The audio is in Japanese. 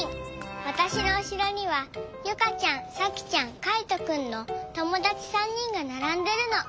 わたしのうしろにはユカちゃんサキちゃんカイトくんのともだち３人がならんでるの。